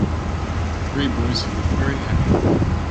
three boys who look very happy